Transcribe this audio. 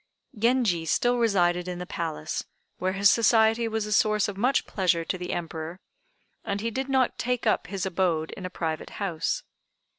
Genji still resided in the palace, where his society was a source of much pleasure to the Emperor, and he did not take up his abode in a private house.